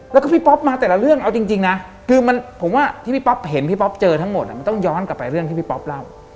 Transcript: แล้วก็พี่ป๊อปมาแต่ละเรื่องเอาจริงนะคือผมว่าที่พี่ป๊อปเห็นพี่ป๊อปเจอทั้งหมดมันต้องย้อนกลับไปเรื่องที่พี่ป๊อปเล่า